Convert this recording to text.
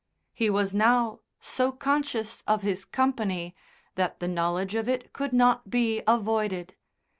He was now so conscious of his company that the knowledge of it could not be avoided.